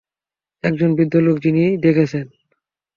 একজন বৃদ্ধ লোক যিনি দেখেছেন!